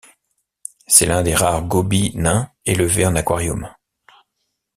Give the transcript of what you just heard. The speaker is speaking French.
C'est l'un des rares gobies nains élevés en aquarium.